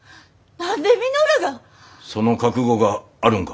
その覚悟があるんか。